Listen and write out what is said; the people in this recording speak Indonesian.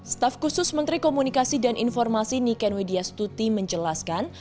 staff khusus menteri komunikasi dan informasi niken widyastuti menjelaskan